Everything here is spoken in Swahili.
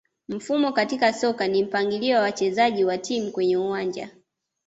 Mfumo katika soka ni mpangilio wa wachezaji wa timu kwenye uwanja